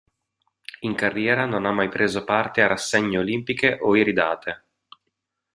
In carriera non ha mai preso parte a rassegne olimpiche o iridate.